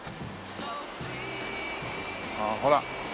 ああほら。